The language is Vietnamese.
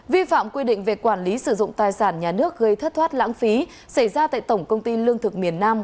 vi phạm quy định về quản lý sử dụng tài sản nhà nước gây thất thoát lãng phí xảy ra tại tổng công ty lương thực miền nam